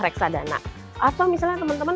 reksadana atau misalnya teman teman